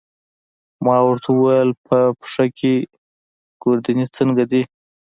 ما ورته وویل: په پښه کې، ګوردیني څنګه دی؟